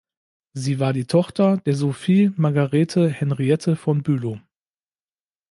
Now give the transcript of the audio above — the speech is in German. Sie war die Tochter der Sophie Margarethe Henriette von Bülow.